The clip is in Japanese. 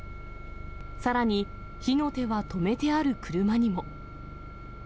さらに火の手は止めてある車にも。